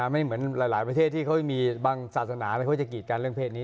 ไม่เหมือนหลายประเทศที่เขายังมีบางศาสนาอะไรเขาจะกีดกันเรื่องเศษนี้